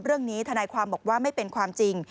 เรื่องนี้ธนายความบอกว่าไม่เป็นความจริง